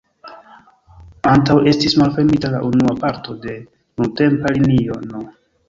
Antaŭ estis malfermita la unua parto de nuntempa linio no.